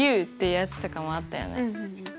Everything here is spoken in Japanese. ってやつとかもあったよね。